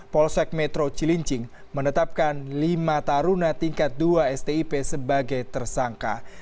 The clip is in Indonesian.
polsek metro cilincing menetapkan lima taruna tingkat dua stip sebagai tersangka